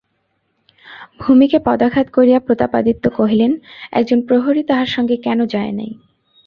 ভূমিতে পদাঘাত করিয়া প্রতাপাদিত্য কহিলেন, একজন প্রহরী তাহার সঙ্গে কেন যায় নাই?